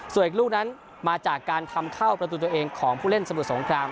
ส่วนอีกลูกนั้นมาจากการทำเข้าประตูตัวเองของผู้เล่นสมุทรสงคราม